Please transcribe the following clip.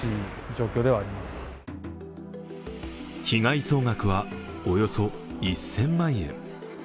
被害総額は、およそ１０００万円。